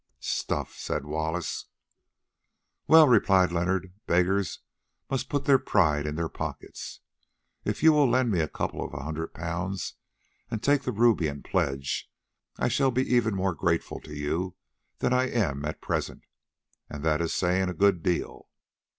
"Stuff!" said Wallace. "Well," replied Leonard, "beggars must put their pride in their pockets. If you will lend me a couple of hundred pounds and take the ruby in pledge, I shall be even more grateful to you than I am at present, and that is saying a good deal."